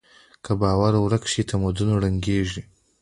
که باور ورک شي، تمدن ړنګېږي.